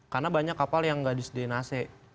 karena banyak kapal yang tidak disediakan ac